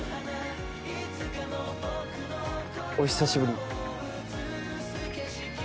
お久しぶり。